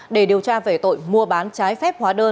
để điều tra về tội mua bán trái phép hóa đơn